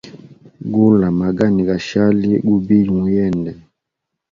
Gula magani gashali gubiye mu yende.